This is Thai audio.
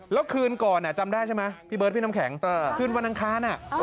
แล้วคืนก่อนจำได้ใช่ไหมพี่เบิร์ดพี่น้ำแข็งคืนวันอังคาร